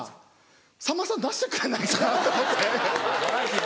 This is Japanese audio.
さんまさん出してくれないかなって思って。